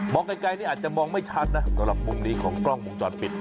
ไกลนี่อาจจะมองไม่ชัดนะสำหรับมุมนี้ของกล้องวงจรปิด